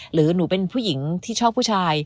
หรือหนูเป็นผู้หญิงที่ชอบผู้ชาย